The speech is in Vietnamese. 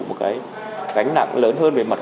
một cái gánh nặng lớn hơn về mặt